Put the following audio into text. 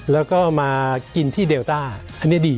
แล้วก็มากินที่เดลต้าอันนี้ดี